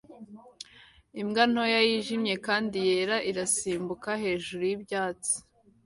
Imbwa ntoya yijimye kandi yera irasimbuka hejuru yibyatsi